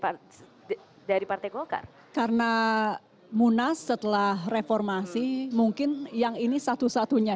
ada satu segmen terakhir